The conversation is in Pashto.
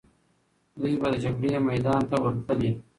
دوی به د جګړې میدان ته ورتللې.